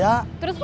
aku mau pergi